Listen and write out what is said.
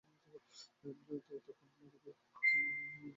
ওই তখন বাড়িতে?